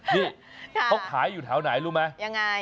นี่เขาขายอยู่แถวไหนรู้ไหมยังไง